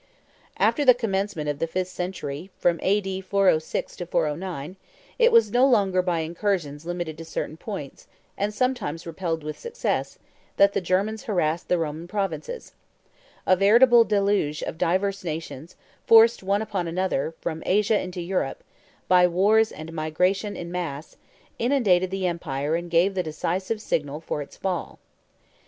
After the commencement of the fifth century, from A.D. 406 to 409, it was no longer by incursions limited to certain points, and sometimes repelled with success, that the Germans harassed the Roman provinces: a veritable deluge of divers nations, forced one upon another, from Asia into Europe, by wars and migration in mass, inundated the Empire and gave the decisive signal for its fall.